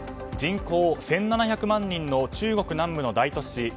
人口１７００万人の中国南部の大都市